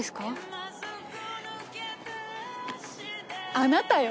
あなたよ。